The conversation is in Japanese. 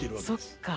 そっか。